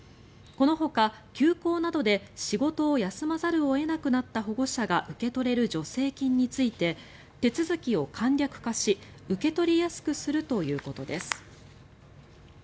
このほか休校などで仕事を休まざるを得なくなった保護者が受け取れる助成金について手続きを簡略化し受け取りやすくするということです。